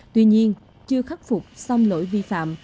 tuy nhiên chưa khắc phục xong lỗi vi phạm